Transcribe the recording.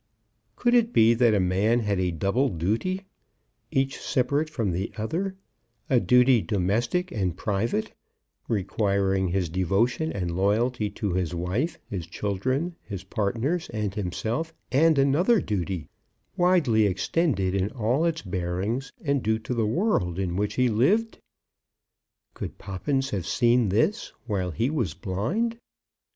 Could it be that a man had a double duty, each separate from the other; a duty domestic and private, requiring his devotion and loyalty to his wife, his children, his partners, and himself; and another duty, widely extended in all its bearings and due to the world in which he lived? Could Poppins have seen this, while he was blind?